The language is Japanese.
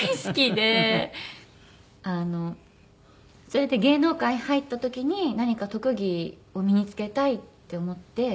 それで芸能界入った時に何か特技を身につけたいって思って。